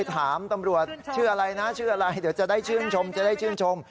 ถามตำรวจชื่ออะไรนะชื่ออะไรเดี๋ยวจะได้ชื่นชมจะได้ชื่นชม